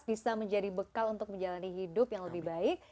bisa menjadi bekal untuk menjalani hidup yang lebih baik